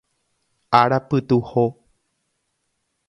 Ára pytuho.